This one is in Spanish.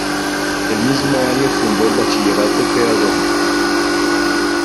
El mismo año fundó el Bachillerato Pedagógico.